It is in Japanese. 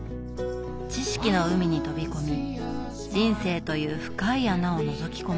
知識の海に飛び込み人生という深い穴をのぞき込む。